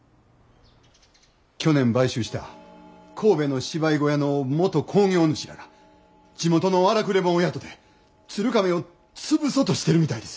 去年買収した神戸の芝居小屋の元興行主らが地元の荒くれ者を雇て鶴亀を潰そとしてるみたいです。